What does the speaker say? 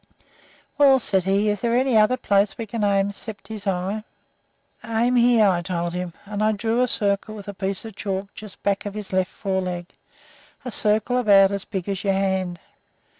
'Well,' said he, 'is there any other place we can aim at except his eye?' "'Aim here,' I told him, and I drew a circle with a piece of chalk just back of his left foreleg, a circle about as big as your hand.